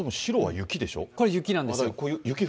これ雪なんです。